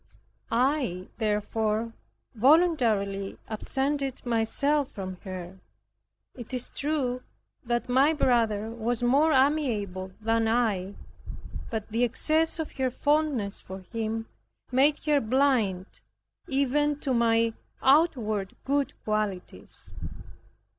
I therefore voluntarily absented myself from her. It is true, my brother was more amiable than I but the excess of her fondness for him, made her blind even to my outward good qualities.